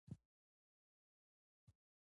هغې وویل محبت یې د یادونه په څېر ژور دی.